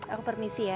aku permisi ya